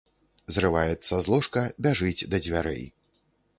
Зрываецца з ложка, бяжыць да дзвярэй.